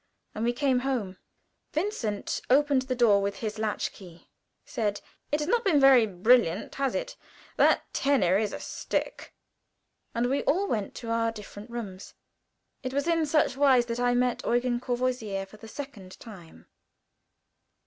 And we came home; Vincent opened the door with his latch key, said, "It has not been very brilliant, has it? That tenor is a stick," and we all went to our different rooms. It was in such wise that I met Eugen Courvoisier for the second time.